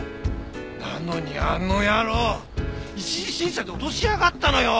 なのにあの野郎一次審査で落としやがったのよ！